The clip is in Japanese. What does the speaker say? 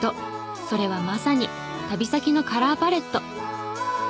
それはまさに旅先のカラーパレット。